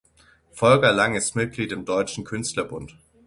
Volker Lang ist Mitglied im Deutschen Künstlerbund.